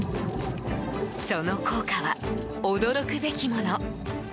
その効果は驚くべきもの。